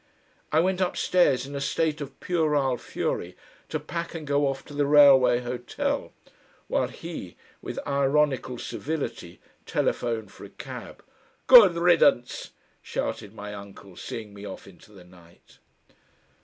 I went upstairs, in a state of puerile fury, to pack and go off to the Railway Hotel, while he, with ironical civility, telephoned for a cab. "Good riddance!" shouted my uncle, seeing me off into the night.